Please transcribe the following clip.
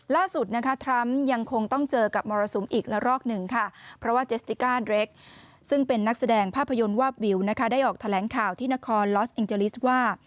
ล่าสุดนะคะทรัมป์ยังคงต้องเจอกับมรสุมอีกละรอกหนึ่งค่ะเพราะว่าเจสติก้าเรคซึ่งเป็นนักแสดงภาพยนตร์วาบวิวนะคะได้ออกแถลงข่าวที่นครลอสเอ็งเจลิสว่า